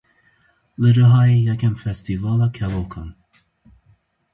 Li Rihayê yekem Festîvala Kevokan.